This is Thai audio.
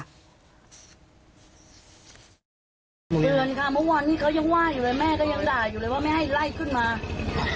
เดือนค่ะเมื่อวานนี้เขายังว่าอยู่เลยแม่ก็ยังด่าอยู่เลยว่าไม่ให้ไล่ขึ้นมา